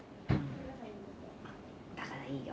だからいいよ。